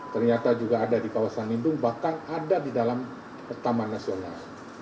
ternyata juga ada di kawasan lindung bahkan ada di dalam taman nasional